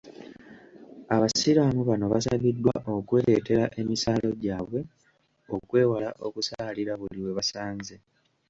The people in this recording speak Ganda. Abasiraamu bano basabiddwa okwereetera emisaalo gyabwe okwewala okusaalira buli we basanze.